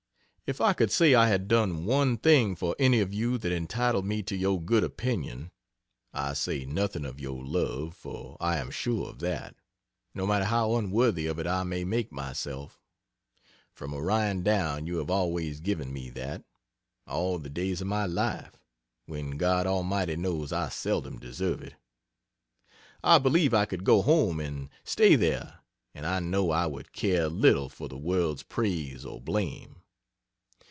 If I could say I had done one thing for any of you that entitled me to your good opinion, (I say nothing of your love, for I am sure of that, no matter how unworthy of it I may make myself, from Orion down you have always given me that, all the days of my life, when God Almighty knows I seldom deserve it,) I believe I could go home and stay there and I know I would care little for the world's praise or blame.